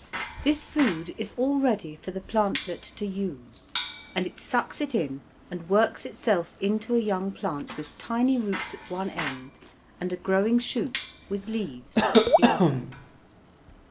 This food is all ready for the plantlet to use, and it sucks it in, and works itself into a young plant with tiny roots at one end, and a growing shoot, with leaves, at the other.